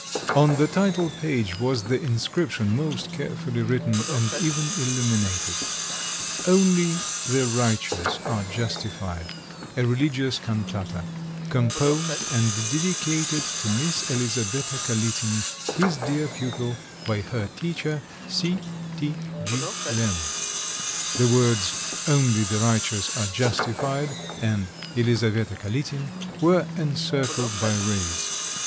On the title page was the inscription, most carefully written and even illuminated, "Only the righteous are justified. A religious cantata. Composed and dedicated to Miss Elisaveta Kalitin, his dear pupil, by her teacher, C. T. G. Lemm." The words, "Only the righteous are justified" and "Elisaveta Kalitin," were encircled by rays.